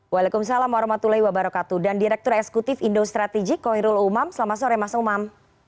waalaikumsalam wr wb dan direktur esekutif indo stratijik kohirul umam selamat sore mas umam